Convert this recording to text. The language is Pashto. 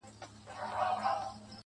o د شرابو خُم پر سر واړوه یاره.